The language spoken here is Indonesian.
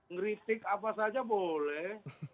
ngeritik apa saja boleh